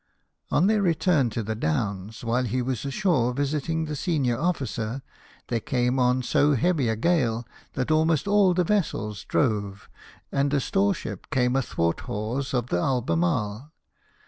On their return to the Doavus, while he was ashore visiting the senior officer, there came on so heavy a gale that almost all the vessels drove, and a store ship came athwart hawse of the Albemarle.